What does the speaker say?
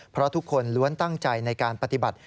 เพราะทุกคนล้วนตั้งใจในการปฏิบัติ